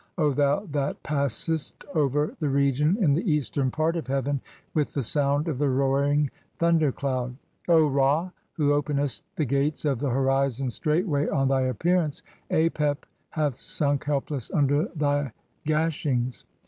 O thou that passest over the region in the eastern part "of heaven with the sound of the roaring thunder cloud, (7) O "Ra who openest the gates of the horizon straightway on thy "appearance, [Apep] hath sunk helpless under [thy] gashings.